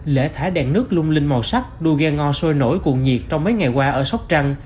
lễ thả đèn nước lung linh màu sắc đua gai ngò sôi nổi cuộn nhiệt trong mấy ngày qua ở sóc trăng